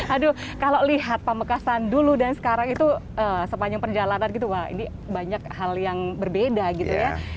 aduh kalau lihat pamekasan dulu dan sekarang itu sepanjang perjalanan gitu wah ini banyak hal yang berbeda gitu ya